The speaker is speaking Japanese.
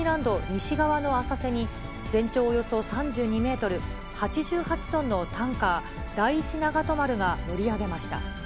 西側の浅瀬に、全長およそ３２メートル、８８トンのタンカー第一ながと丸が乗り上げました。